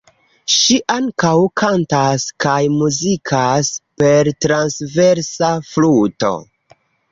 Ŝi ankaŭ kantas kaj muzikas per transversa fluto.